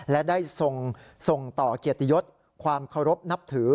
และได้ส่งต่อเกียรติยศความเคารพนับถือ